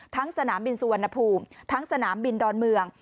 สนามบินสุวรรณภูมิทั้งสนามบินดอนเมือง